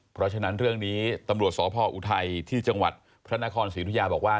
เพราะฉะนั้นเรื่องนี้ตำรวจสพออุทัยที่จังหวัดพระนครศรีรุยาบอกว่า